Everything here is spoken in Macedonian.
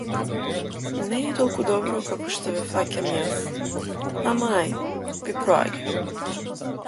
Не толку добро како што ве фаќам јас, ама ај, ви проаѓа.